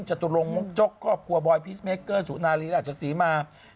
จัตุโรงมกจกก็หัวบอยพีชเมกเกอร์ศุนรีราชศรีมา